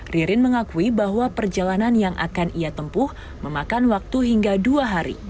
ririn mengakui bahwa perjalanan yang akan ia tempuh memakan waktu hingga dua hari